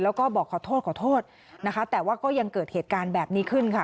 แล้วก็บอกขอโทษขอโทษนะคะแต่ว่าก็ยังเกิดเหตุการณ์แบบนี้ขึ้นค่ะ